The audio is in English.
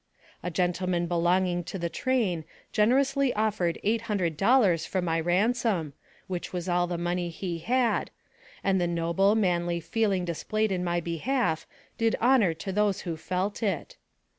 A gentleman belonging to the train generously offered eight hundred dollars for my ransom, which was all the money he had, and the noble, manly feeling dis played in my behalf did honor to those who felt it.